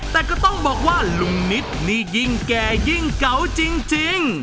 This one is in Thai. แต่ก็ต้องบอกว่าลุงนิดนี่ยิ่งแก่ยิ่งเก่าจริง